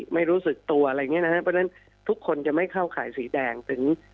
ไม่รู้สึกตัวอะไรอย่างงี้นะทุกคนจะไม่เข้าขายสีแดงถึง๘๔